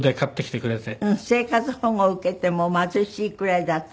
生活保護を受けてもう貧しいくらいだったのに。